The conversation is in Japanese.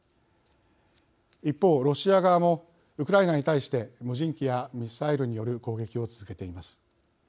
一方ロシア側もウクライナに対して無人機やミサイルによる攻撃を続けています。